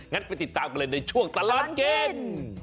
งั้นไปติดตามไปเลยในช่วงตลาดกิน